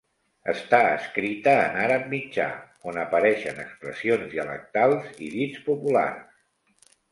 Està escrita en àrab mitjà, on apareixen expressions dialectals i dits populars.